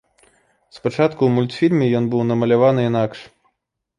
Спачатку ў мультфільме ён быў намаляваны інакш.